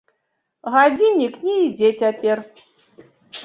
Гадзіннік не ідзе цяпер.